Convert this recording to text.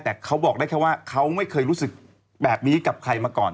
แต่เขาบอกได้แค่ว่าเขาไม่เคยรู้สึกแบบนี้กับใครมาก่อน